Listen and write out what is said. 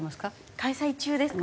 開催中ですか？